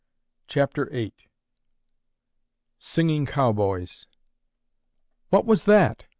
CHAPTER VIII SINGING COWBOYS "What was that?"